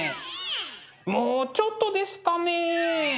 もうちょっとですかね。